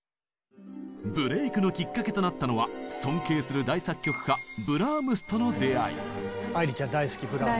ブレイクのきっかけとなったのは尊敬する大作曲家ブラームスとの出会い！